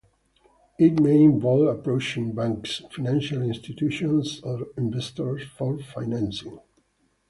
It may involve approaching banks, financial institutions, or investors for financing.